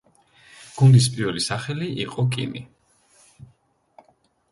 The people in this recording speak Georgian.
გუნდის პირველი სახელი იყო „კიმი“.